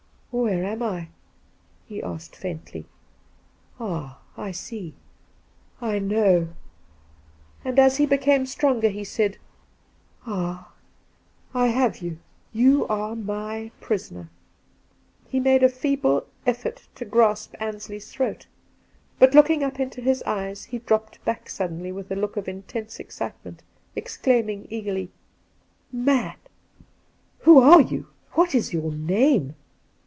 ' Where am I V he asked faintly. ' Ah, I see — I know !' And as he became stronger, he said :' Ah, I have you ; you are my prisoner.' He made a feeble effort to grasp Ansley's throat, but, looking up into his eyes, he dropped back suddenly with a look of intense excitement, exclaiming eagerly : 'Man! Who are you? What is your name?